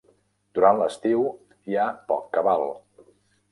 Durant l'estiu, hi ha poc cabal.